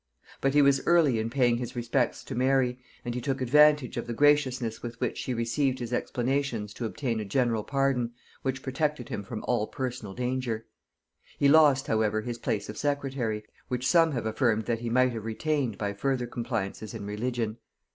But he was early in paying his respects to Mary, and he took advantage of the graciousness with which she received his explanations to obtain a general pardon, which protected him from all personal danger. He lost however his place of secretary, which some have affirmed that he might have retained by further compliances in religion.